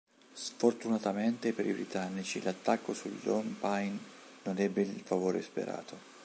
Sfortunatamente per i britannici l'attacco sul Lone Pine non ebbe il favore sperato.